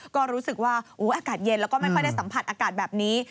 ก็รู้สึกว่าอากาศเย็นแล้วก็ไม่ค่อยได้สัมผัสอากาศแบบนี้